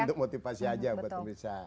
untuk motivasi aja buat pemirsa